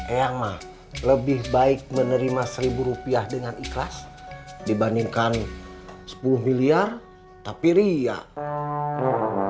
eyang mah lebih baik menerima seribu rupiah dengan ikhlas dibandingkan sepuluh miliar tapi ria